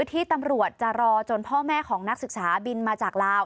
ที่ตำรวจจะรอจนพ่อแม่ของนักศึกษาบินมาจากลาว